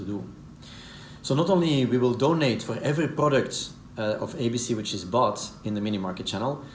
jadi kita tidak hanya akan memberikan perubahan untuk setiap produk dari brand abc yang dibeli di minimarket channel